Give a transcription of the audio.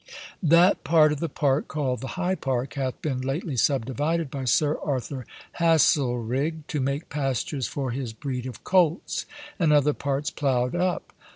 That part of the park called the High park, hath been lately subdivided by Sir Arthur Haselrig, to make pastures for his breed of colts, and other parts plowed up.